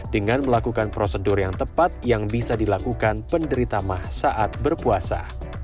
dengan melakukan prosedur yang tepat yang bisa dilakukan penderita mah saat berpuasa